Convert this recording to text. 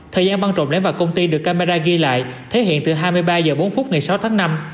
thời gian băng trộm đánh vào công ty được camera ghi lại thể hiện từ hai mươi ba h bốn ngày sáu tháng năm